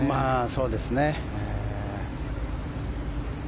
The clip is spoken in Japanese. そうですね。